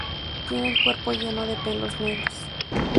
Tiene el cuerpo lleno de pelos negros.